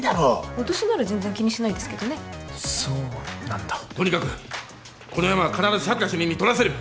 私なら全然気にしないですけどねそうなんだとにかくっこのヤマは必ず佐久良主任にとらせる！